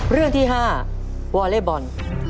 เรื่องที่๕วอเล็กบอล